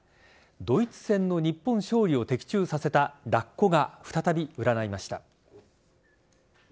ドイツ戦の日本勝利を的中させたラッコが再び占いました。